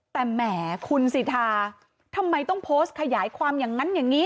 แต่แหมคุณสิทธาทำไมต้องโพสต์ขยายความอย่างนั้นอย่างนี้